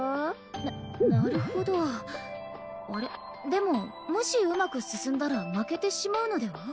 でももしうまく進んだら負けてしまうのでは？